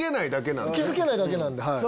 気付けないだけなんや。